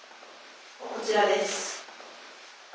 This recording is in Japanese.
こちらです。